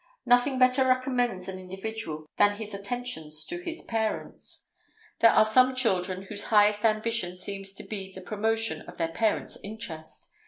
Nothing better recommends an individual than his attentions to his parents. There are some children whose highest ambition seems to be the promotion of their parents' interest.